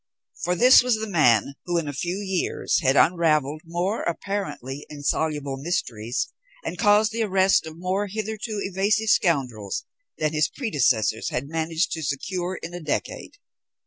For this was the man, who, in a few years, had unravelled more apparently insoluble mysteries, and caused the arrest of more hitherto evasive scoundrels, than his predecessors had managed to secure in a decade.